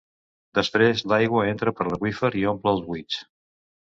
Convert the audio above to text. Després l'aigua entra per l'aqüífer i omple els buits.